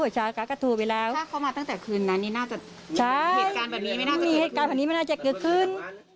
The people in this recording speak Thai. ใช่เหตุการณมนี่ก็ไม่แล้วกัน